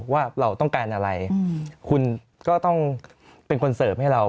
ว่าเราต้องการอะไรคุณก็ต้องเป็นคนเสิร์ฟให้เรา